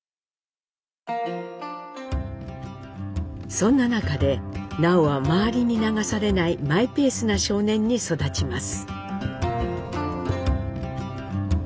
そんな中で南朋は周りに流されないマイペースな少年に育ちます。